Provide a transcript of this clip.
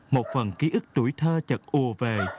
một phần ký ức tuổi thơ chật ùa về